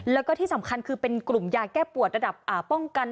แล้วก็ที่สำคัญคือเป็นกลุ่มยาแก้ปวดระดับป้องกัน